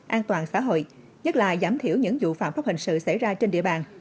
an toàn xã hội nhất là giảm thiểu những vụ phạm pháp hình sự xảy ra trên địa bàn